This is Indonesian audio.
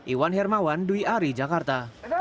iwan hermawan dwi ari jakarta